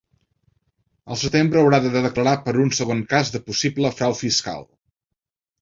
El setembre haurà de declarar per un segon cas de possible frau fiscal.